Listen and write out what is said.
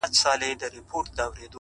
شېرينې ستا د تورو سترگو په کمال کي سته!